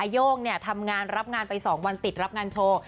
โย่งทำงานรับงานไป๒วันติดรับงานโชว์